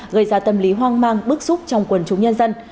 gây ra tâm lý hoang mang bức xúc trong quần chúng nhân dân